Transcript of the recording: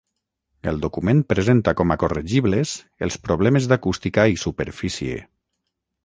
El document presenta com a corregibles els problemes d’acústica i superfície.